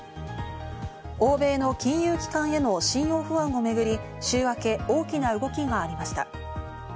欧米の金融機関への信用不安をめぐり、週明け、大きな動きがありました。